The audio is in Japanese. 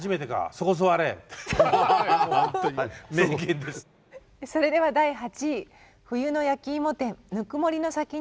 それでは第８位「冬の焼きいも店ぬくもりの先に」